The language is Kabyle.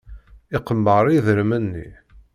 Iqemmer idrimen-nni.